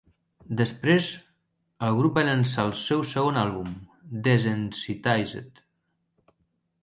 Després, el grup va llançar el seu segon àlbum, Desensitized.